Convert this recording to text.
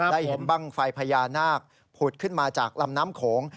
ได้เห็นบ้างไฟพญานาคผุดขึ้นมาจากลำน้ำโขง